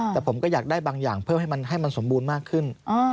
แต่ผมก็อยากได้บางอย่างเพื่อให้มันสมบูรณ์มากขึ้น